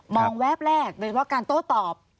งแวบแรกโดยเฉพาะการโต้ตอบ